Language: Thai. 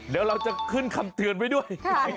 เดี๋ยวเราจะขึ้นคำเตือนไว้ด้วย